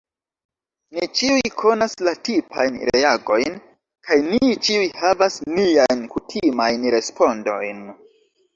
Ni ĉiuj konas la tipajn reagojn, kaj ni ĉiuj havas niajn kutimajn respondojn.